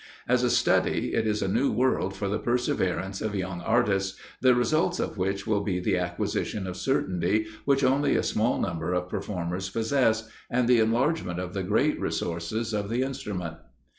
As a study, it is a new world for the perseverance of young artists, the results of which will be the acquisition of certainty, which only a small number of performers possess, and the enlargement of the great resources of the instrument.